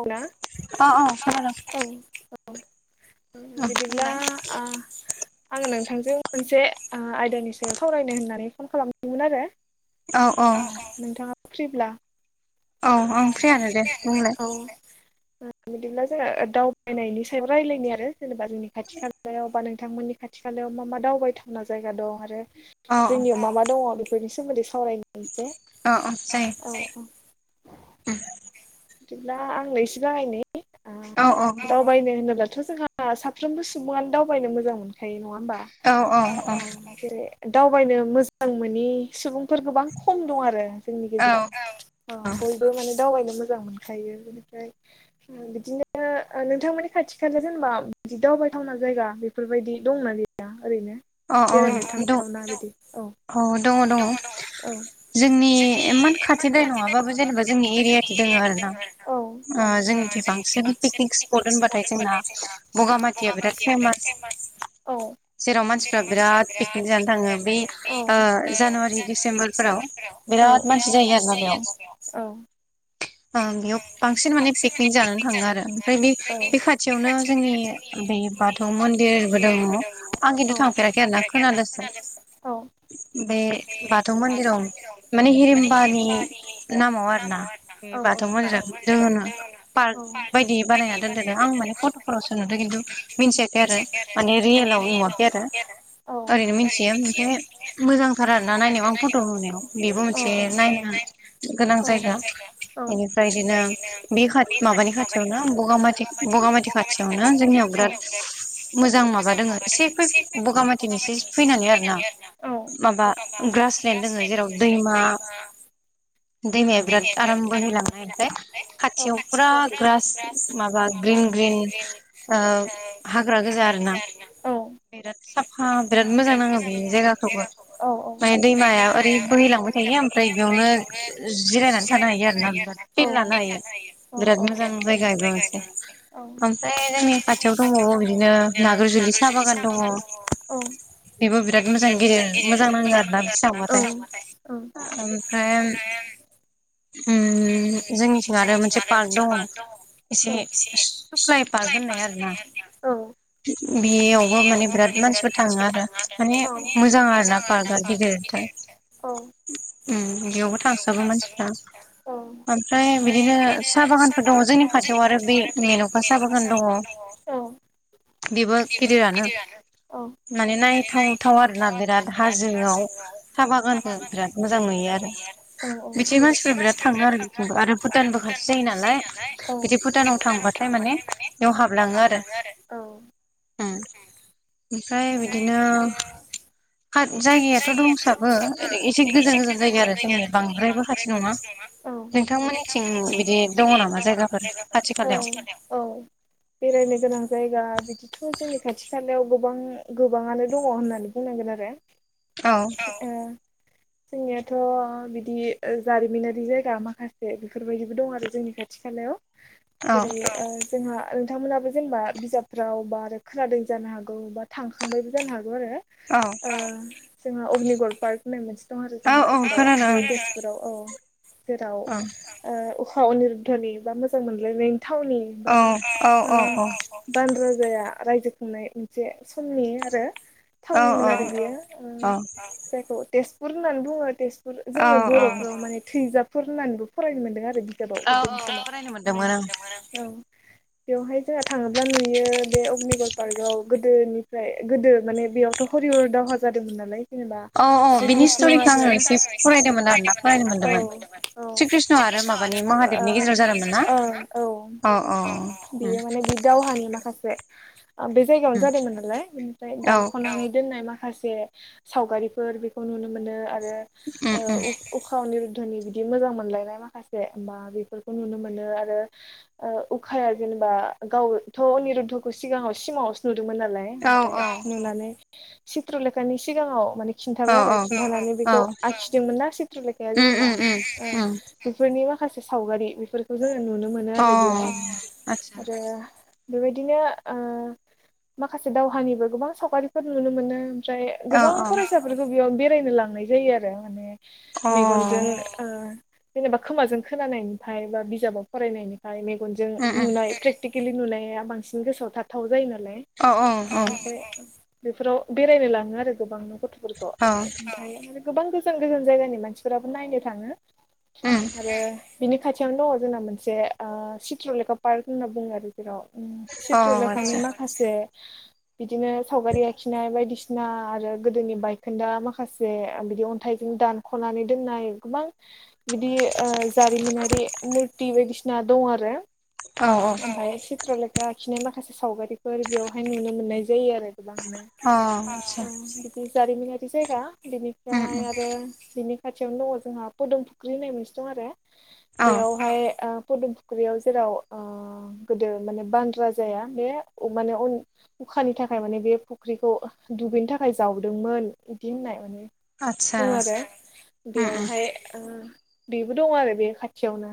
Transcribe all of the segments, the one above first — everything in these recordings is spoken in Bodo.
औ ना अ खोनादों अ अ औ ओ ओ बिदिब्ला ओं आ आङो नोंथांजों मोनसे आ आयदानि सायाव सावरायनो होननानै फन खालामदोंमोन आरो औ औ नोंथाङा फ्रिब्ला औ आं फ्रियानो दे बुंलाय उम बिदिब्ला जोङा दावबायनायनि सायाव रायलायनि आरो जेनेबा जोंनि खाथि खालायावबा नों थांमोननि खाथि खालायाव मा मा दावबायथावना जायगा दं आरो औ जोंनियाव मा मा दङ बेफोरनि सो सोमोन्दै सावरायनि एसे अ औ औ जायो जाय अ अ बिदिब्ला आंनो एसे जागायनि आ औ औ दावबायनो होनोब्ला थ' जोंहा साफ्रोमबो सुबुङानो दावबायनो मोजां मोनखायो नङा होमबा औ ओ औ औ जेरै दावबायनो मोजां मोनि सुबुंफोर गोबां खम दं आरो जोंनि औ गेजेराव औ अ बयबो माने दावबायनो मोजां मोनखायो बिनिफ्राय ओ बिदिनो ओ नोंथांमोननि खाथि खाला जेनेबा जि द थाबाय थावना जायगा बेफोरबायदि दंना गैया? ओरैनो औ औ बेरायनो दं थांथावना बिदि अ औ दङ अ दोङो दङ औ जोंनि इमान खाथिद्राय नङाबाबो जेनेबा जोंनि एरियाथि दोङो आरो ना ओ जों थे बांसिन पिकनिक स्पट होनबाथाय जोंना ब'गामाथिया बिराद फेमास औ जेराव मानसिफ्रा बिराद पिकनिक जानो थाङो बे औ ओ जानुवारि डिसेम्बरफोराव औ बिराद मानसि जायो आरो ना बेयाव औ ओ बेयाव बांसिन माने पिकनिक जानोनो थाङो आरो ओमफ्राय बे बे खाथियावनो जोंनि बे बाथौ मन्दिरबो दङ आं किन्टु थां फेराखै आरोना खोनादोसो बे बाथौ मन्दिराव माने हिरिमबानि नामाव आरो ना बे बाथौ मन्दिरा दोङो नो पार्क बायदि बानायना दोनदो नो आं माने फट'फोरावसो नुदों किन्टु मिन्थियाखै आरो माने रियेलाव नुआ वाखै आरो ओरैनो मिनथियो ओमफ्राय मोजांथार आरो ना नायनायाव आं फट'ल' नुनायाव बेबो मोनसे नायनो गोनां जायगा बेनिफ्राय बिदिनो बेख खाद माबानि खाथियावनो बगामाथि बगामाथि खाथियावनो जोंनियाव बिराद मोजां माबा दोङो एसे फैफ बगामाथिनि एसेस फैनानै आरोना औ माबा ग्रास लेण्ड दोङो जे जेराव दैमा दैमाया बिराद आराम बोहैलांनाय ओमफ्राय औ खाथियाव फुरा ग्रास माबा ग्रिन बिराद ग्रिन ग्रिं ग्रिं ओ हाग्रा गोजा आरो ना औ बिराद साफा बिराद मोजां नाङो बे जायगाखौबो बे दैमाया ओरै बोहैलांबाय थायो ओमफ्राय बेयावनो ओ-ओ जिरायनानै थानो हायो आरो ना बिराद पिल लानो हायो । बिराद मोजां जायगा बेबो मोनसे ओमफ्राय जोंनि खाथियाव दंबावो बिदिनो नाग्रिजु जुलि साहा बागान दङ औ बेबो बिराद मोजां गेदेर मोजां नाङो आरोना बिथिं थांबा फाय आ ओमफ्राय उम उमहो जोंनिथिं आरो मोनसे पार्क दङ एसे फिसाबाथाय सुक्लाय पार्क होननाय आरो ना औ बेयाव ब माने बिराद मानसिफोर थाङो आरो माने मोजां आरो ना पार्कआ गिदिरथार। उम बेयावबो थांसाबो मानसिफ्रा ओमफ्राय बिदिनो साहा बागानफोर दङ जोंनि खाथियाव आरो बे मेन'का साहा बागान दङ। औ। बिबो गिदिरानो औ। माने नायथावथाव आरोना बिराद हाजोआव साहा बागानखौ बिराद मोजां नुयो आरो औ औ मानसिफोरा बिथिं बिराद मानसिफ्रा आरो थाङो बिथिंबो आरो भुटानबो खाथि जायो नालाय बिदि भुटानाव थांबाथाय माने बेयाव हाबलां हाबलाङो आरो औ उम। ओमफ्राय बिदिनो खा जायगायाथ' दंसाबो एसे गोजान गोजान जायगा आरो जोंनि बांद्रायबो खाथि नंङा औ नोंथांमोननिथिं बिदि दंङ नामा जायगाफोर? औ खाथि खालायाव औ। बेरायनो गोनां जायगा बिदिथ' जोंनि खाथि खालायाव गोबां गोबाङानो दंङ होननानै बुंनांगोन आरो। औ ओ जोंनियाथ' बिदि जारिमिनारि जाय गा माखासे बेफोरबायदिबो दं आरो जोंनि खाथि खालायाव जेरै औ ओ जोंहा ओ नोंथांमोनहाबो जेनेबा बिजाबफ्राव बा आरो खोनादों जानो हागौ बा थांखांबायबो जानो हा गौ आरो औ ओ जोंहा अग्निगर पार्क होननाय मोनसे दं आरो जोंहा औ औखोनादों ओं जेराव बे तेजपुराव औ जेराव औ ओ आव अनिरध'नि बा मोजां मोनलायनाय थावनि बा औ ओ औ औ औ बानराजाया रायजो खुंनाय मोनसे समनि आरो थावनिमोन औ औ आरो बियो ओ औ जायखौ तेजपुर होननानै बुंङो तेज पुर जोङो औ औ बर'फोराव माने थैजाबफोर होननानै फरायनो मोनदों आरो बिजाबाव गोदोनि समाव औ औ फरायनो औ मोनदोंमोन औ। बेवहाय जोंहा थांङोब्ला नुयो बे अग्निगर पार्कआव गोदोनिफ्राय गोदो माने बेयावथ' हरि दावहा जादोंमोन नालाय जेनेबा औ औ श्री बिनि कृष्ण आरो औ औ स्ट'रिखौ बिनि आङो स्थ'रिखौ आंङो एसे एसे आरोना फरायदोंमोन आरो ना। औ फरायनो मोनदोंमोन औ कृष्ण श्री कृष्णा आरो माबानि महादेबनि औ गेजेराव जादोंमोन महादेवनि ना औ औ [unintelligible] अ अ। उम उम बेयो माने बि दावहानि माखासे बे जायगायावनो जादोंमोन नालाय ओमफ्राय औ दानख'नानै दोननाय मा खासे सावगारिफोर बेखौ नुनो मोनो आरो उम ओ उम उ-उखावनि नि बिदि मोजां मोनलायनाय माखासे बा बेफोरखौ नुनो मोनो आरो ओ उखाया बा गावथ' अनिरुद'खौ सिगाङाव सिमाङावसो नु दोंमोन नालाय औ ओमफ्राय औ नुनानै चित्रा लेखानि सिगांङाव माने औ खिन्थाबाय आरो औ खिन्थानानै औ बेखौ आखिदोंमोन ना सिथ्रलेखाया जेनेबा उम उम उम बेफोरनि माखासे सावगारि फोरखौ जोंङो नुनो मोनो अ आरो बेयाव आतसा आरो बेबायदिनो ओ माखासे दावहानिबो गोबां सावगारिफोर नुनो मोनो। ओमफ्राय औ गोबां औ फरायसाफोरखौ बेयाव बेरायनो लांनाय जायो आरो माने अ। मेगनजों ओ जेनेबा खोमाजों खोनानायनिफाय बा बिजाबाव फरायनायनि फ्राय मेगनजों उम उम नुनाय प्रेकटिकेलि नुनाया बांसिन गोसोआव थाथाव जायो ना लाय औ औ औ ओमफ्राय बेफोराव बेरायनो लांङो आरो गोबांनो। गथ'फोरखौ औ ओमफाय आरो गोबां गोजान गोजान जायगानि मानसिफोराबो नायनो थांङो। उम आरो बिनि खाथियावनो दंङ जोंना मोनसे ओ चित्रलेखा पार्क होनना बुंङो आरो जेराव उम अ सित्र' लेखानि आतसा माखासे बिदिनो सावगारि आखिनाय बायदिसि ना आरो गोदोनि बायखोन्दा माखासे बिदि अन्थाइजों दानख'नानै दोननाय गोबां बिदि ओ जारिमिनारि मुरति बायदिसिना दं आरो। औ औ ओमफाय चित्रलेखा आखिनाय माखासे सावगारिफोर बेवहाय नुनो मोननाय जायो आरो गोबांनो अ आतसा औ बिदि जारिमिनारि जायगा उम बिनिफ्राय उम आरो बिनि खाथियावनो दंङ जोंहा फुदुम फुख्रि होननाय मोनसे दं आरो। औ बेयावहाय ओ पदमपुख्रियाव जेराव गोदो माने बांद्रा जाया बे माने अखानि थाखाय माने बे फुख्रिखौ दुगैनो थाखाय जावदोंमोन बिदि होननाय माने आतसा बुङो आरो उम बेयाव उम फाय ओम बेबो दं आरो बे खाथियावनो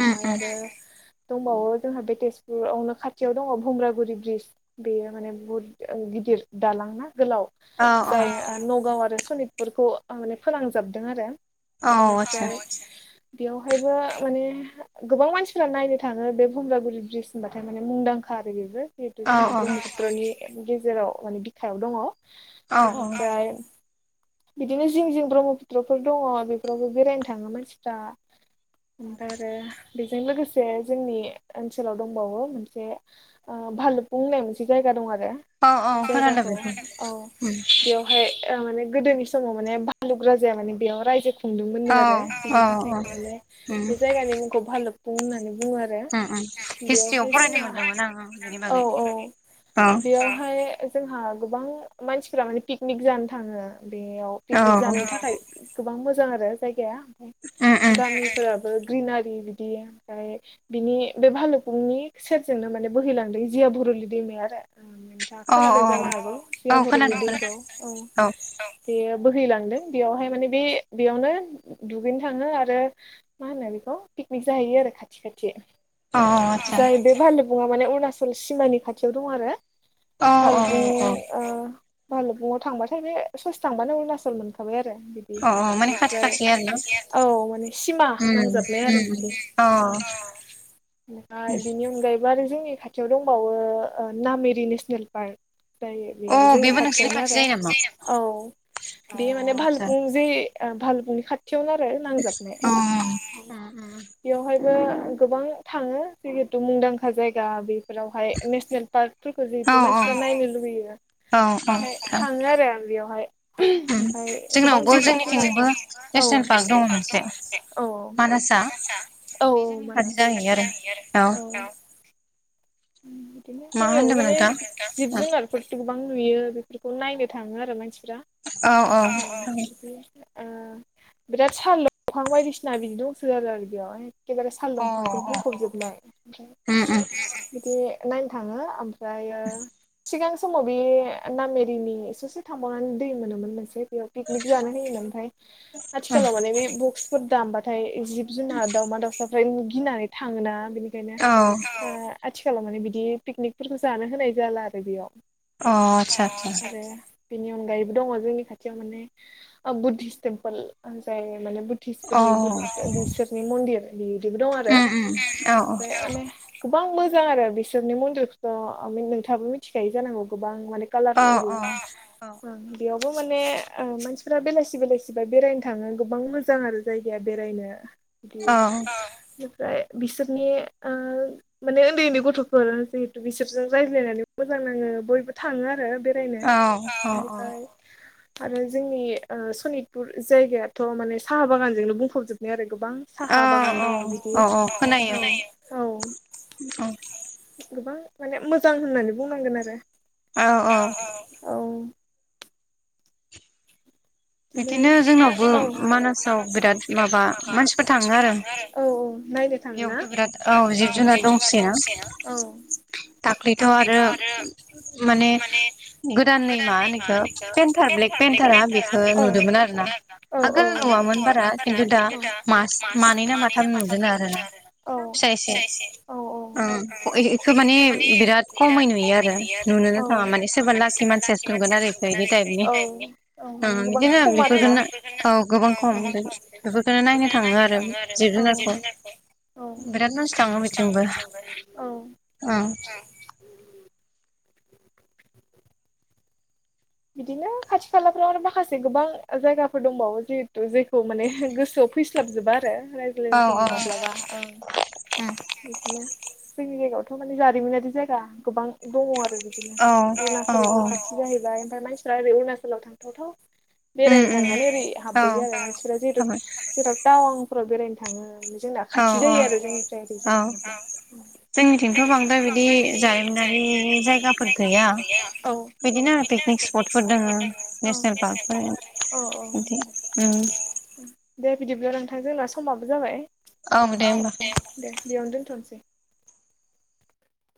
उम उम आरो दंबावो जोंहा बे तेजपुरावनो खाथियाव दङ बुमब्रागुरि ब्रिज बेयो माने बुहुत ओ गिदिर दालां ना गोलाव औ औ जाय नगाव आरो सनितपुरखौ माने फोनां जाबदों आरो औ आतसा बिनिफ्राय बेयावहायबो माने गोबां मानसिफ्रा नायनो थाङो बे भुमरागुरि ब्रिज होनबाथाय माने मुंदांखा आरो बेबो जिहेतु औ जोंहा औ ब्रह्मपुत्रनि गेजेराव माने बिखायाव दङ औ औ बेनिफ्राय बिदिनो जिं जिं ब्रह्मपुद्रफोर दङ बेफोरावबो बेरायनो थाङो मानसिफ्रा ओमफ्राय आरो बेजों लोगोसे जोंनि ओनसोलाव दंबावो मोनसे भालुफुं होन्नाय मोनसे जायगा दं आरो औ औ खोनादों जायगाखौ बेखौ औ उम बेयावहाय माने गोदोनि समाव माने बालुक राजाया माने बेयाव रायजो खुंदोंमोननो औ आरो बिनि औ थाखायनो माने उम बे जायगानि मुंखौ भालुब होननानै बुङो बुङो आरो उम हिस्ट्रियाव बेवहाय फरायनो जोङो मोनदोंमोन आं ओं बेनि औ बागै औ औ बेयावहाय जोंहा गोबां मानसिफोरा माने पिकनिक जानो थाङो बेयाव औ पिकनिक उम जानो थाखाय गोबां मोजां आरो जायगाया उम गामिफोराबो ग्रिनारि बिदि ओमफ्राय बिनि बे भालुफुंनि सेरजोंनो माने बोहैलांदों जियाबुर दैमाया आरो नोंथाङा औ खोनादों औ जानो हागौ सिय औ बरिनि खोनादों दैखौ खोनादों औ बेयो बोहैलांदों बेयावहाय माने बे बेयावनो दुगैनो थाङो आरो मा होनो बेखौ पिकनिक जाहैयो आरो खाथि खाथि औ आतसा जाय बे भालेबुङा माने अरुणाचल सिमानि खाथियाव दं आरो औ औ बालफुं औ ओ भालुबुङाव थांबाथाय बे ससे थांबानो अरुनाचल मोनखाबाय आरो बिदि औ माने खाथि ओमफ्राय खाथि आरोना औ माने सिमा उम नांजाबनाय आरो उम उम बिदि औ ओमफ्राय बिनि अनगायैबो आरो जोंनि खाथियाव दंबावो नामेरि नेसनेल पार्क जायो बे अ जोंनि बेबो नोंसिनि पारटियावमोन खाथि जायो नामा आरो औ अ बे माने आतसा फालफुं जे भालबुंनि खाथियावनो आरो नांजाबनाय अ उम उम बेयावहाय गोबां थाङो जिहेथु मुंदांखा जायगा बे फोरावहाय नेसनेल पार्कफोरखौ औ जिहेतु मानसिफ्रा नायनो लुुबैयो औ औ ओमफ्राय औ थाङो आरो आं बेयावहाय ओमफ्राय गोबां जि जोंनिथिंबो औ नेसनेल पार्क दं मोनसे औ औ मानासआ मान्दाबा औ बे औ जोंनि मानास खाथि जाहैयो आरो जाहैयो आरो औ बिदिनो मा जोंनियावबो होनदोंमोन माने नोंथां जिब जुनारफोरसो गोबां नुयो बेफोरखौ नायनो थाङो आरो मानसिफ्रा औ औ ओ बिराद साल दफां बायदिसिना बिदि दंसोगारो आरो बियाव एखेबारे अ सालदंफांजों बुंफबजोबबाय ओम ओम बिदि नायनो थाङो ओमफ ओमफ्रायो सिगां समाव बे नामेरिनि ससे थांबावनानै दै मोनोमोन मोनसे बेयाव पिकनिक जानो होयोन ओमफ्राय आथिखालाव माने बे बक्सफोर दामबाथाय जिब जुनार दाउमा दाउसाफ्रा गिनानै थाङोना बिनिखायनो औ अ आथिखालाव माने बिदि पिकनिकफोरखौ जानो होनाय जाला आरो बेयाव अ आतसा आतसा आरो बेनि अनगायैबो दङ जोंनि खाथियाव माने बुद्धिसट टेम्पोल जाय माने अ बुदधिसफोरनि बिसोरनि मन्दिर बियो बिबो दं आरो उम उम औ ओमफ्राय माने गोबां मोजां आरो बिसोरनि मन्दिरखौ' नोंथाङाबो मिथिखायो जानांगौ गोबां माने औ कालारफुल औ बेयाव बेबो माने मानसिफोरा बेलासि बेलासिबा बेरायनो थाङो गोबां मोजां आरो जायगाया बेरायनो औ । ओमफ्राय बिसोरनि ओ माने उन्दै उन्दै गथ'फोर जिहेतु बिसोरजों रायज्लायनानै मोजां नाङो बयबो थाङो आरो बेरायनो औ बेनिफ्राय आरो जोंनि ओ सनितपुर जायगायाथ' माने साहा बागानजोंनो बुंफबजोबनाय आरो गोबां औ साहा बागान दङ बिदि औ औ खोनायो औ औ गोबां माने मोजां होननानै बुंनांगोन आरो औ औ औ बिदिनो बिदिनो जोंनावबो मानासाव बिराद माबा मानसिफोर थाङो आरो औ औ नायनो थाङोना बेयावबो बिराद औ जिब जुनार दंसै ना दंसोयो औ दाख्लैथ' आरो माने गोदाननै मा होनो इखो पेन्टार ब्लेक पेन्टारा बेखौ नुदोंमोन आरो ना आगोल औ नुवामोन औ बारा आगोल खिन्थु दा नुवामोन बारा मास खिन्थु ना दा माथाम मानै नुदों ना आरोना माथाम नुदों फिसा आरो एसे औ फिसा एसे ओं औ औ इखौ माने बिराद खमै खमाय नुयो आरो नुयो आरो थाङा माने नुनोनो थांआ लाखि सोरबा मानसियासो लाकि नुगोन आरो मानसिया इखो इदि नुगोन टाइपनि आरो इफोरबायदि ताइपनि गोबां खम आरोना औ गोबां खम बेफोरखौनो नायनो थाङो आरो औ [unintelligible] बिरात मानस बिराद मानसि थाङो बिथिंबो औ ओं औ बिदिनो खाथि खालाफ्राव आरो माखासे गोबां जायगाफोर दंबावो जिहेथु जेखौ माने गोसो फैस्लाबजोबा आरो औ रायज्लायनाय औ समाव माब्लाबा ओं बिदिनो जोंनि जायगायावथ' माने जारिमिनारि जायगा गोबां दङ आरो औ औ औ औ अरुणाचलबो खाथि जाहैबाय ओमफ्राय मानसिफ्रा अरुणाचलाव थांथावथाव उम बेरायनो उम थांनानै ओरै औ हाबबोयो आरो मानसिफोरा जेर हाबाय जेराव टावांफोराव बेरायनो थाङो जोंना औ खाथि औ जायो आरो जोंनिफ्राय औ ओरैजाय थाङोबा जोंनिथिंथ' बांद्राय बिदि जारिमिनारि जायगाफोर गैया औ आरो बिदिनो आं पिकनिक पिक स्पटफोर दोङो स्पतफोर दङ औ नेसनेल पार्क दङो औ बिदि उम औ दे बिदिब्ला नोंथां जोंना समाबो जाबाय दे औ होमबा दे बेयावनो दोनथ'नोसै ।